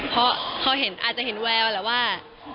เพราะอาจจะเห็นแววแล้วว่า